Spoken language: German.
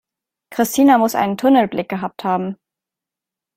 Christina muss einen Tunnelblick gehabt haben.